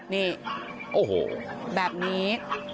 นี่แบบนี้